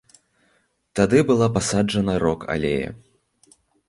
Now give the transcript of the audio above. Тады была пасаджана рок-алея.